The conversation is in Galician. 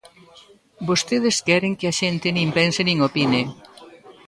Vostedes queren que a xente nin pense nin opine.